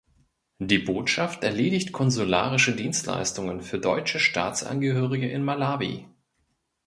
Die Botschaft erledigt konsularischen Dienstleistungen für deutsche Staatsangehörige in Malawi.